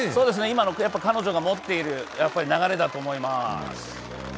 今の彼女が持っている流れだと思います。